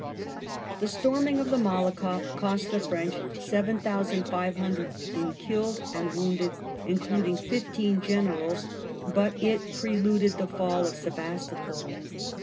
The storming of the Malakoff" cost the French 7,500 in killed and wounded, including fifteen generals, but it preluded the fall of Sebastopol.